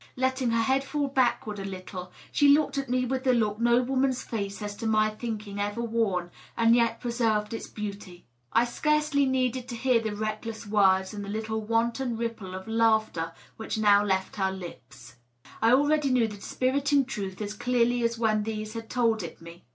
Letting her head fall backward a little, she looked at me with the look no woman's face has to my thinking ever worn and yet preserved its beauty. .. I scarcely needed to hear the reckless words and the little wanton ripple of laughter which now left her lips ; I already knew the dispiriting truth as clearly as when these had told it me